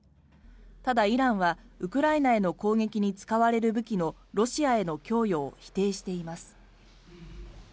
ただ、イランはウクライナへの攻撃に使われる武器のロシアへの供与を否定しています。